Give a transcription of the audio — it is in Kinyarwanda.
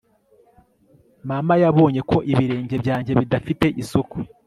Mama yabonye ko ibirenge byanjye bidafite isuku